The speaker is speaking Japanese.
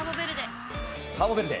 カーボベルデ。